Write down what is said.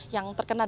yang terkena di bnpb